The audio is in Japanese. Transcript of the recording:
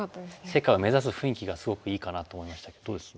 世界を目指す雰囲気がすごくいいかなと思いましたけどどうです？